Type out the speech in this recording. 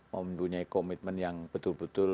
mempunyai komitmen yang betul betul